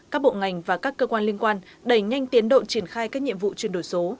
các bộ ngành và các cơ quan liên quan đẩy nhanh tiến độ triển khai các nhiệm vụ chuyển đổi số